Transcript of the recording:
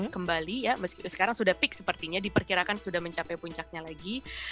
kembali ya sekarang sudah peak sepertinya diperkirakan sudah mencapai puncaknya lagi